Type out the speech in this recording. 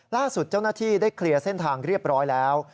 ล่าสุดเจ้าหน้าที่ได้เคลียร์เส้นทางเรียบร้อยแล้ว